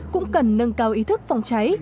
cũng cần nâng cao ý thức phòng cháy